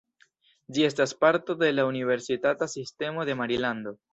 Ĝi estas parto de la Universitata Sistemo de Marilando.